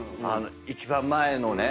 一番前のね